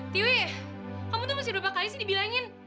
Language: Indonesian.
tiuy kamu tuh masih berapa kali sih dibilangin